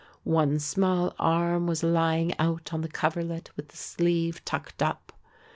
One small arm was lying out on the coverlet with the sleeve tucked up.